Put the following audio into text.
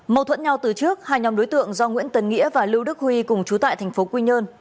mâu thuẫn nhau từ trước hai nhóm đối tượng do nguyễn tân nghĩa và lưu đức huy cùng trú tại tp quy nhơn